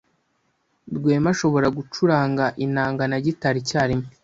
Rwema ashobora gucuranga inanga na gitari icyarimwe.